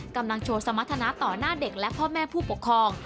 กำลังโชว์สมรรถนะต่อหน้าเด็กและพ่อแม่ผู้ปกครอง